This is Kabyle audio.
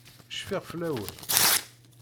Cfiɣ fell-awen.